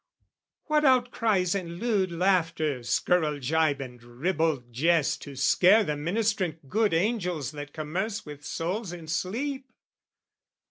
What outcries and lewd laughter, scurril gibe And ribald jest to scare the ministrant Good angels that commerce with souls in sleep?